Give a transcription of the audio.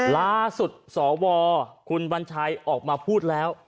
ล่าสุดสวคุณวัญชัยออกมาพูดแล้ว